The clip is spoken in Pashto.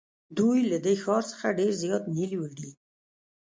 دوی له دې ښار څخه ډېر زیات نیل وړي.